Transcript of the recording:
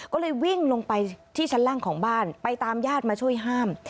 ก็เลยวิ่งลงไปที่ชั้นล่างของบ้านไปตามญาติมาช่วยห้าม